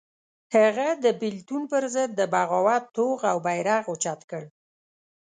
هغه د بېلتون پر ضد د بغاوت توغ او بېرغ اوچت کړ.